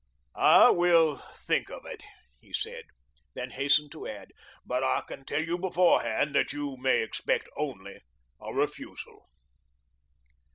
"I will think of it," he said, then hastened to add, "but I can tell you beforehand that you may expect only a refusal."